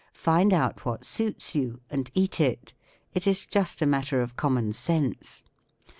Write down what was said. Find out what suits you and eat it* It is just a matter of com¬ mon sense.